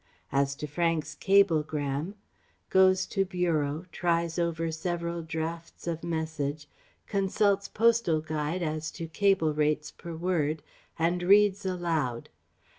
"As to Frank's cablegram..." (Goes to bureau, tries over several drafts of message, consults Postal Guide as to cable rates per word, and reads aloud)